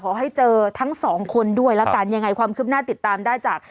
ขอให้เจอทั้งสองคนด้วยละกันยังไงความคืบหน้าติดตามได้จาก